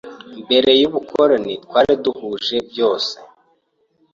Mbere y’ubukoloni twari duhuje byose